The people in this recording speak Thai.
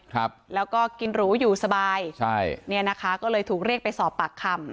ครับแล้วก็กินหรูอยู่สบายใช่เนี่ยนะคะก็เลยถูกเรียกไปสอบปากคำ